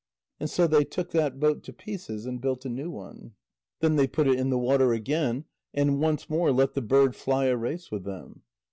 And so they took that boat to pieces and built a new one. Then they put it in the water again and once more let the bird fly a race with them.